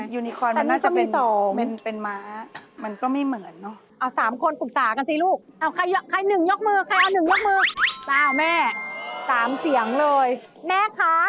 ยูนิคอลในเอเซียมา